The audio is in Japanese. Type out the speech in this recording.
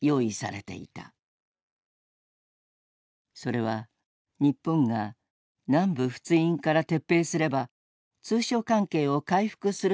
それは日本が南部仏印から撤兵すれば通商関係を回復するというものだった。